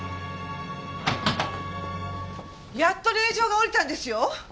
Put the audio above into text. やっと令状が下りたんですよ！